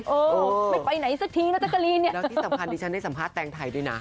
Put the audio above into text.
เออไม่ไปไหนสักทีนะจักรีนเนี่ยแล้วที่สำคัญดิฉันได้สัมภาแตงไทยด้วยนะ